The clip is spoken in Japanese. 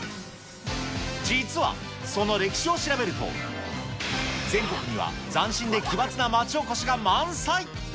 実は、その歴史を調べると、全国には斬新で奇抜な町おこしが満載。